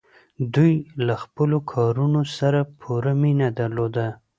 دوی له خپلو کارونو سره پوره مینه درلوده.